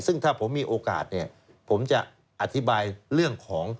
ซึ่งถ้าผมมีโอกาสเนี่ยผมจะอธิบายเรื่องของ